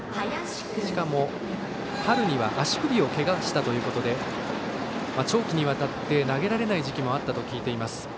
しかも、春には足首をけがしたということで長期にわたって投げられない時期もあったと聞いています。